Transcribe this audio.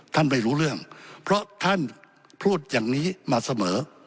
ไม่รู้เรื่องเพราะท่านพูดอย่างนี้มาเสมอ